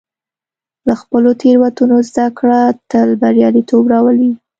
له خپلو تېروتنو زده کړه تل بریالیتوب راولي.